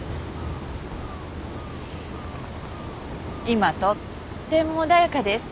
今とっても穏やかです。